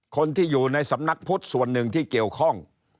คนที่อยู่ในสำนักพุทธส่วนหนึ่งที่เกี่ยวข้อง